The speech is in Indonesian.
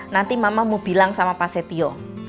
nanti mama mau bilang sama pak setio